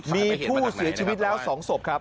มีผู้เสียชีวิตแล้ว๒ศพครับ